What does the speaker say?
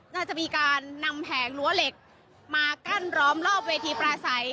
น่าจะมีการนำแผงรั้วเหล็กมากั้นร้อมรอบเวทีปลาใส